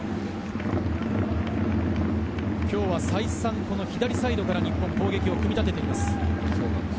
今日は再三、左サイドから日本攻撃を組み立てています。